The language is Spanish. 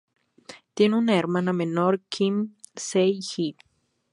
Tiene una hermana menor, Kim Sei-hee.